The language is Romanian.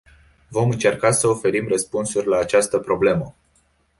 Vom încerca să oferim răspunsuri la această problemă.